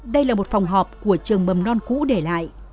đây là một phòng họp của trường mầm non cũ để lại